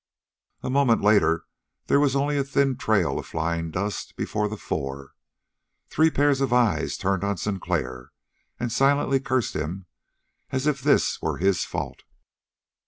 A moment later there was only a thin trail of flying dust before the four. Three pairs of eyes turned on Sinclair and silently cursed him as if this were his fault.